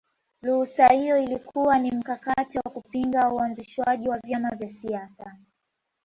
Ruhusa iyo ilikuwa ni mkakati wa kupinga uanzishwaji wa vyama vya siasa